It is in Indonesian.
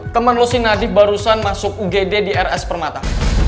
temen lo si nadif barusan masuk ugd di rs permata